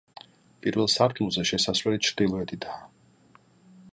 პირველ სართულზე შესასვლელი ჩრდილოეთითაა.